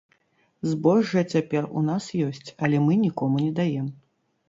Збожжа цяпер у нас ёсць, але мы нікому не даем.